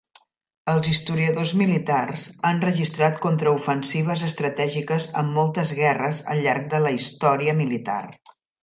Els historiadors militars han registrat contraofensives estratègiques en moltes guerres al llarg de la història militar.